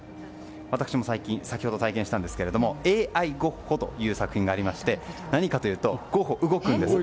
私も先ほど体験したんですがＡＩゴッホという作品がありましてゴッホが動くんです。